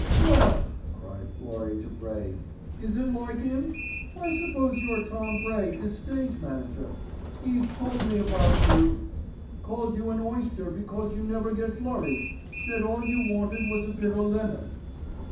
"Well!" cried Florrie to Bray, "Is it like 'im. I suppose you're Tom Bray, 'is stage manager. 'E's told me about you. Called you an oyster because you never get flurried, said all you wanted was a bit o' lemon."